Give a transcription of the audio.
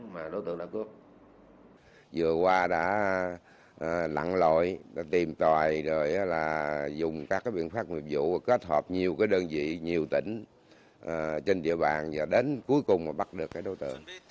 vừa qua đã lặng lội tìm tòi dùng các biện pháp nghiệp vụ kết hợp nhiều đơn vị nhiều tỉnh trên địa bàn và đến cuối cùng bắt được đối tượng